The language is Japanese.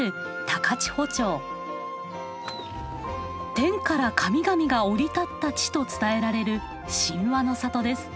天から神々が降り立った地と伝えられる神話の里です。